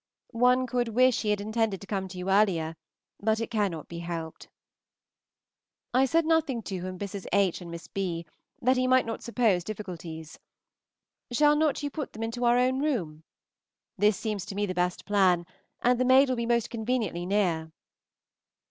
One could wish he had intended to come to you earlier, but it cannot be helped. I said nothing to him of Mrs. H. and Miss B., that he might not suppose difficulties. Shall not you put them into our own room? This seems to me the best plan, and the maid will be most conveniently near.